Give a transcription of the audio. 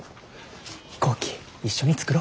飛行機一緒に作ろ。